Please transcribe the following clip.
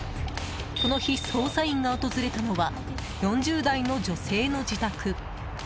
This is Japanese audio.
この日、捜査員が訪れたのは４０代の女性の自宅。